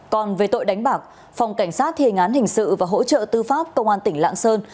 còn về tội đánh bạc phòng cảnh sát thề ngán hình sự và hỗ trợ tư pháp công an tỉnh lạng sơn